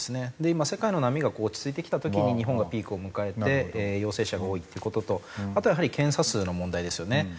今世界の波がこう落ち着いてきた時に日本がピークを迎えて陽性者が多いっていう事とあとやはり検査数の問題ですよね。